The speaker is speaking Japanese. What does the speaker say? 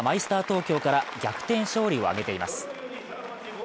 東京から逆転勝利を挙げています。